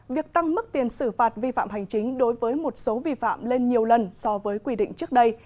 việc tăng mức tiền xử phạt vi phạm hành chính đối với một số vi phạm lên nhiều lần so với quy định trước đây